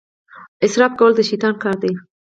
اسراف کول د شیطان کار دی.